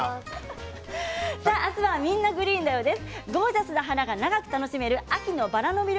明日は「みんな！グリーンだよ」です。